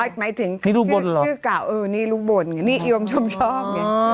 อ๋อหมายถึงนี่รูปบทหรอชื่อเก่าเออนี่รูปบทนี่เอียมชมชอบอ๋อ